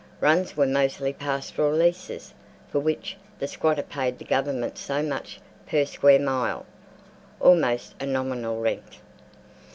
Runs were mostly pastoral leases for which the squatter paid the Government so much per square mile (almost a nominal rent).